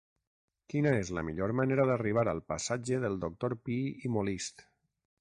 Quina és la millor manera d'arribar al passatge del Doctor Pi i Molist?